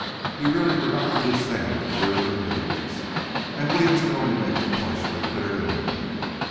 He really did not understand the theory of news, and Williams could only make it partially clear to him.